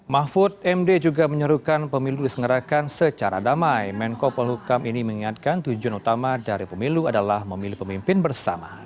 mahfud md juga menyuruhkan pemilu disengarakan secara damai menko polhukam ini mengingatkan tujuan utama dari pemilu adalah memilih pemimpin bersama